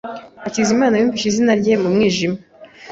Hakizimana yumvise inzira ye mu mwijima.